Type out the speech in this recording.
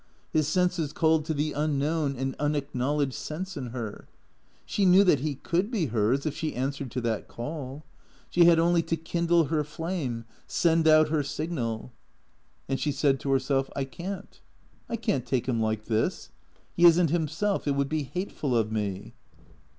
His senses called to the unknown and unacknowledged sense in her. She knew that he could be hers if she answered to that call. She had only to kindle her flame, send out her signal. And she said to herself, " I can't. I can't take him like this. He is n't himself. It would be hateful of me."